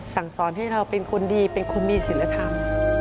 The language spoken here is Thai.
สั่งสอนให้เราเป็นคนดีเป็นคนมีศิลธรรม